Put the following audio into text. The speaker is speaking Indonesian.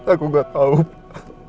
aku gak tahu pak